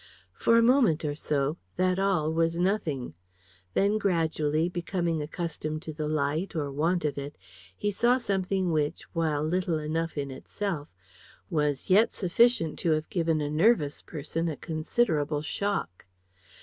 For a moment or so that all was nothing. Then, gradually becoming accustomed to the light, or want of it, he saw something which, while little enough in itself, was yet sufficient to have given a nervous person a considerable shock.